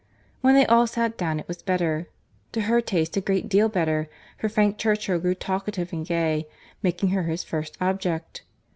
When they all sat down it was better; to her taste a great deal better, for Frank Churchill grew talkative and gay, making her his first object.